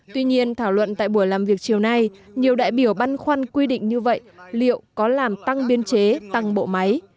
tuy nhiên thảo luận tại buổi làm việc chiều nay nhiều đại biểu băn khoăn quy định như vậy liệu có làm tăng biên chế tăng bộ máy